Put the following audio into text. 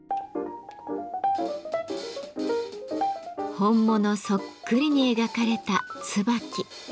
本物そっくりに描かれたツバキ。